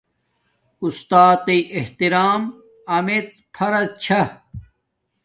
استات تݵ احترام امیڎ فرض چھا